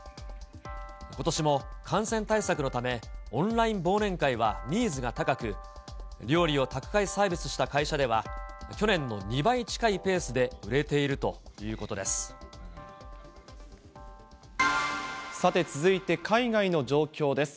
ことしも感染対策のため、オンライン忘年会はニーズが高く、料理を宅配サービスした会社では去年の２倍近いペースで売れていさて続いて、海外の状況です。